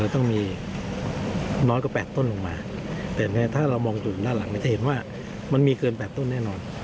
ต้องมีน้อยกว่า๘ต้นลงมาแต่ถ้าเรามองจุดด้านหลังจะเห็นว่ามันมีเกิน๘ต้นแน่นอน